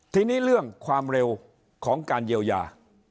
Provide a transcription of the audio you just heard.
ทีนี้เรื่องความเร็วของการเยียวยา